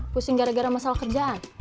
pusing gara gara masalah kerjaan